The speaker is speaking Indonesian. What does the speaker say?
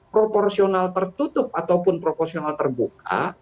proporsional tertutup ataupun proporsional terbuka